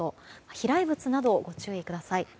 飛来物などご注意ください。